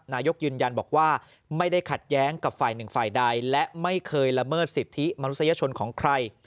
นายกยืนยันบอกว่าไม่ได้ขัดแย้งกับฝ่ายหนึ่งฝ่ายใดและไม่เคยละเมิดสิทธิมนุษยชนของใคร